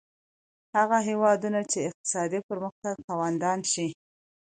هغه هېوادونه چې اقتصادي پرمختګ خاوندان شي.